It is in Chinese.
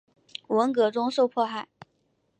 文革中受迫害。